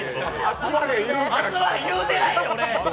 集まれ言うてないよ、俺！